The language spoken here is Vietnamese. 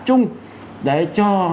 trung để cho